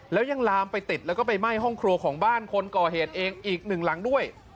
แล้วยังลามไปติดแล้วก็ไปไหม้ห้องครัวของบ้านคนก่อเหตุเองอีกหนึ่งหลังด้วย